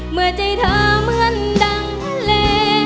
เมื่อใจเธอเหมือนดังทะเล